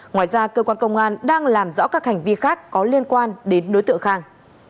ngoài ra cơ quan công an đang làm rõ các hành vi khác có liên quan đến đối tượng khang